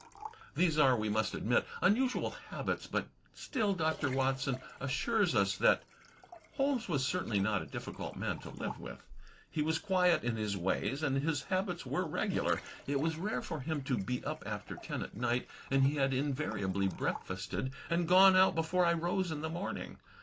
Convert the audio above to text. These are, we must admit, unusual habits, but still Dr. Watson assures us that: Holmes was certainly not a difficult man to live with. He was quiet in his ways and his habits were regular. It was rare for him to be up after ten at night, and he had invariably breakfasted and gone out before I rose in the morning.